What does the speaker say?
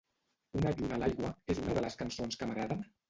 "Una lluna l'aigua" és una de les cançons que m'agraden?